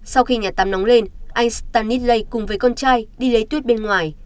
sau khi nhà tắm nóng lên anh stanislay cùng với con trai đi lấy tuyết bên ngoài